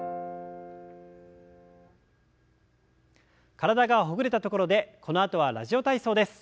体がほぐれたところでこのあとは「ラジオ体操」です。